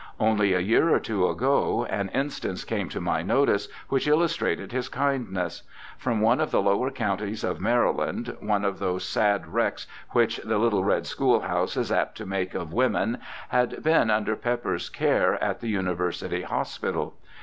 Only a year or two ago an instance came to my notice which illustrated his kindness. From one of the lower counties of Maryland one of those sad wrecks which ' the little red school house ' is apt to make of women had been under Pepper's care at the University Hospital.